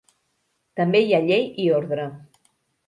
També hi ha llei i ordre.